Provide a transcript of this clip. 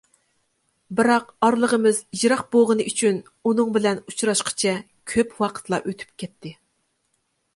بىراق ئارىلىقىمىز يىراق بوغىنى ئۈچۈن ئۇنىڭ بىلەن ئۇچراشقىچە كۆپ ۋاقىتلا ئۆتۈپ كەتتى.